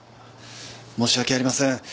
申し訳ありません。